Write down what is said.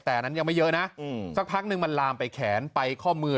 แต่อันนั้นยังไม่เยอะนะสักพักนึงมันลามไปแขนไปข้อมือ